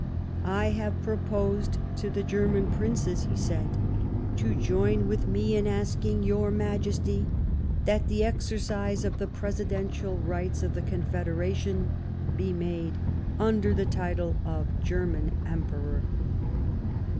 " I have proposed to the German Princes," he said, " to join with me in asking your Majesty that the exercise of the Presidential Rights of the Confederation be made under the title of German Emperor."